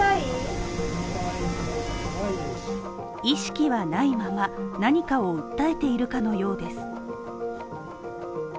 意識はないまま、何かを訴えているかのようです。